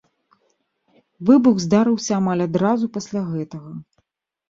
Выбух здарыўся амаль адразу пасля гэтага.